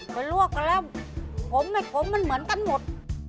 ไปลวกกันแล้วโคมไม่โคมมันเหมือนกันหมด